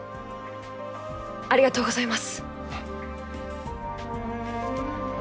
ありがとうございます。